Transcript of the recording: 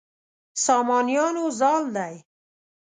سامانیانو زال دی.